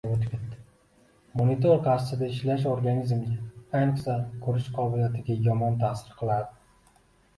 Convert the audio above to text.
Monitor qarshisida ishlash organizmga, ayniqsa ko‘rish qobiliyatiga yomon ta’sir qiladi.